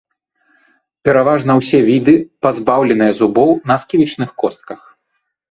Пераважна ўсе віды пазбаўленыя зубоў на сківічных костках.